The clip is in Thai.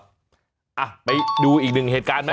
ว่าไปดูอีกหนึ่งเธอดการไหม